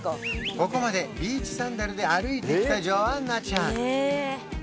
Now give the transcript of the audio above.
ここまでビーチサンダルで歩いてきたジョアンナちゃん